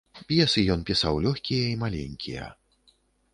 П'есы ён пісаў лёгкія і маленькія.